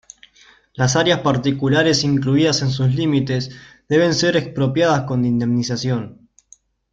Las áreas particulares incluidas en sus limites deben ser expropiadas con indemnización.